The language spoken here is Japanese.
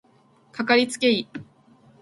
かかりつけ医